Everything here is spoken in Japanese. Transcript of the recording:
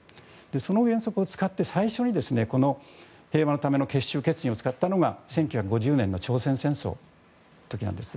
その原則を使って最初に「平和のための結集」決議を使ったのが１９５０年の朝鮮戦争の時なんです。